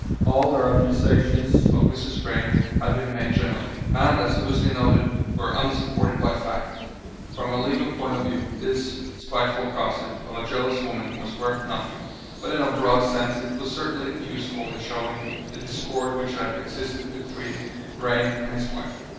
All her accusations of Mrs. Vrain had been made generally, and, as Lucian noted, were unsupported by fact. From a legal point of view this spiteful gossip of a jealous woman was worth nothing, but in a broad sense it was certainly useful in showing the discord which had existed between Vrain and his wife.